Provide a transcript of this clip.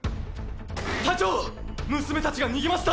隊長娘たちが逃げました！